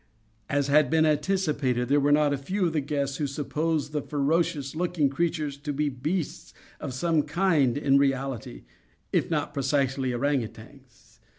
As had been anticipated, there were not a few of the guests who supposed the ferocious looking creatures to be beasts of some kind in reality, if not precisely ourang outangs.